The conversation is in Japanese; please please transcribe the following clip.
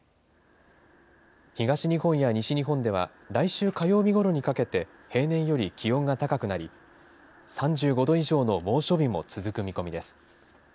東日本や西日本では、来週火曜日ごろにかけて、平年より気温が高くなり、３５度以上の猛暑日も続く見込みです。